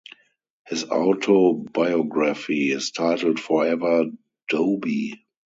His autobiography is titled "Forever Dobie".